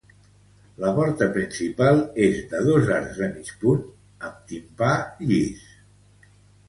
La porta principal és de dos arcs de mig punt amb timpà llis.